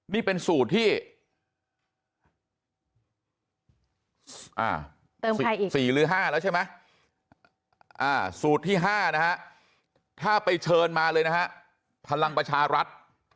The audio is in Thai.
นี่เป็นสูตรที่๔หรือ๕แล้วใช่ไหมสูตรที่๕นะฮะถ้าไปเชิญมาเลยนะฮะพลังประชารัฐ